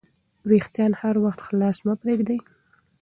وېښتان هر وخت خلاص مه پریږدئ.